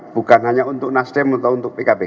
bukan hanya untuk nasdem atau untuk pkb